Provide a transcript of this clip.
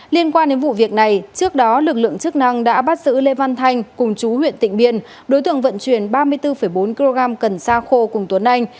liên quan đến vụ việc này trước đó lực lượng chức năng đã bắt giữ lê văn thanh cùng chú huyện tịnh biên đối tượng vận chuyển ba mươi bốn bốn kg cần sa khô cùng tuấn anh